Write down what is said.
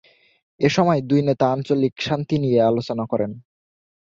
এ সময় দুই নেতা আঞ্চলিক শান্তি নিয়ে আলোচনা করেন।